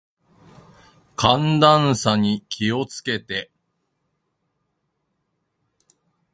寒暖差に気を付けて。